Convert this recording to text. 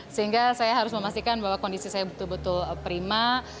sehingga saya harus memastikan bahwa kondisi saya betul betul prima